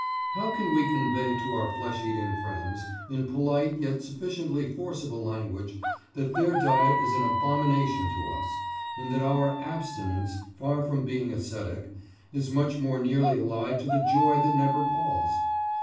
How can we convey to our flesh eating friends, in polite yet sufficiently forcible language, that their diet is an abomination to us, and that our "abstinence," far from being ascetic, is much more nearly allied to the joy that never palls?